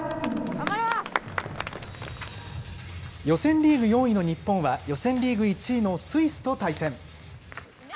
予選リーグ４位の日本は、予選リーグ１位のスイスと対戦。